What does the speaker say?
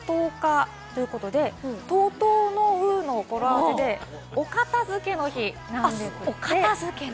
きょうは１０月１０日ということで、「ととのう」の語呂合わせで、お片付けの日なんです。